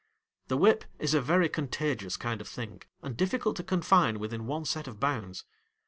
The whip is a very contagious kind of thing, and difficult to confine within one set of bounds.